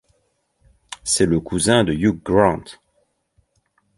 C'est le cousin de Hugh Grant.